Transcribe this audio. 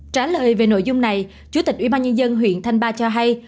trả lời về nội dung này chủ tịch ủy ban nhân dân huyện thanh ba cho hay